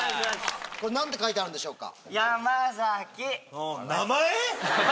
何て書いてあるんでしょうか？